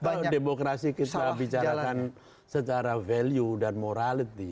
kalau demokrasi kita bicarakan secara value dan morality